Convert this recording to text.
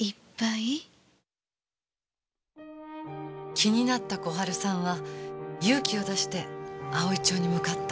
気になった小春さんは勇気を出して葵町に向かった。